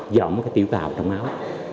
giọng cái tiểu cào trong máu